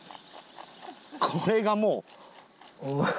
これがもう。